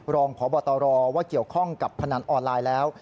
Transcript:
รองพบตรว่าเกี่ยวข้องกับพนันออนไลน์แล้ว